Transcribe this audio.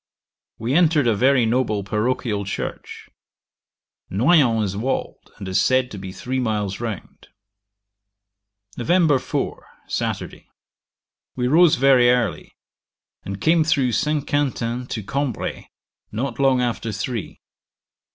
We entered a very noble parochial church. Noyon is walled, and is said to be three miles round. 'Nov. 4. Saturday. We rose very early, and came through St. Quintin to Cambray, not long after three.